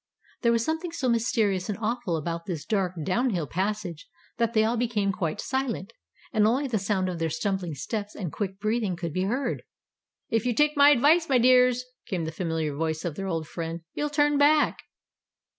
There was something so mysterious and awful about this dark, down hill passage, that they all became quite silent, and only the sound of their stumbling steps and quick breathing could be heard. "If you take my advice, my dears," came the familiar voice of their old friend, "you'll turn back."